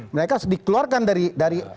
mereka dikeluarkan dari